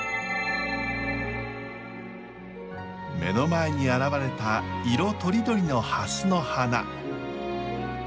目の前に現れた色とりどりのハスの花。